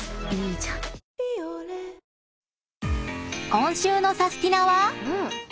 ［今週の『サスティな！』は？］